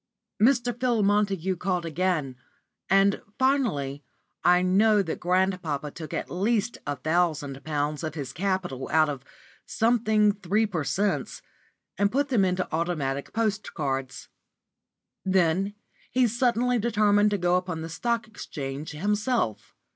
Mr. Phil Montague called again, and, finally, I know that grandpapa took at least a thousand pounds of his capital out of Something Three Per Cents, and put them into Automatic Postcards. Then he suddenly determined to go upon the Stock Exchange himself.